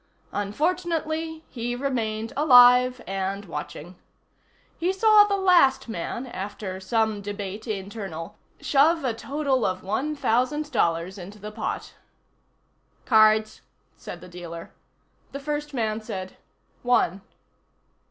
Unfortunately, he remained alive and watching. He saw the last man, after some debate internal, shove a total of one thousand dollars into the pot. "Cards?" said the dealer. The first man said: "One."